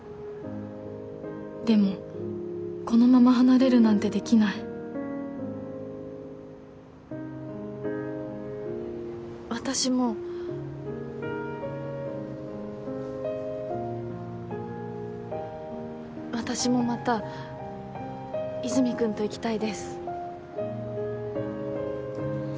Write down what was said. でもこのまま離れるなんてできない私も私もまた和泉君と行きたいです